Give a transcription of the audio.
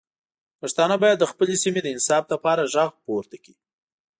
پښتانه باید د خپلې سیمې د انصاف لپاره غږ پورته کړي.